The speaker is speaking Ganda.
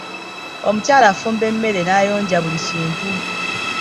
Omukyala afumba emmere n'ayonja buli kintu.